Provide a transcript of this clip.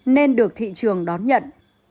nên được thị trường đón nhận